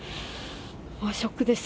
もうショックです。